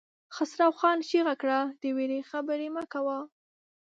خسرو خان چيغه کړه! د وېرې خبرې مه کوئ!